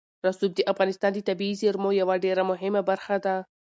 رسوب د افغانستان د طبیعي زیرمو یوه ډېره مهمه برخه ده.